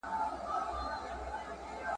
ستا په څېر غوندي سړي خدمت کومه `